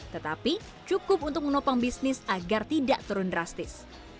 tetapi cukup untuk menopang bisnis agar tidak turun drastis